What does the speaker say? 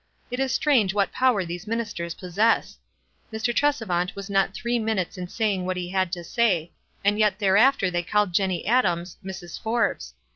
It is strange what power these ministers possess ! Mr. Tresevant was not three minutes in saying what he had to say, and yet thereafter they called Jenny Adams, Mrs. Forbes.